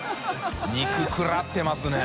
食らってますね。